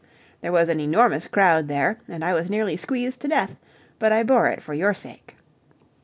There was an enormous crowd there, and I was nearly squeezed to death, but I bore it for your sake.